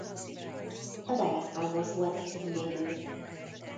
Az Dallas Cowboys volt a címvédő.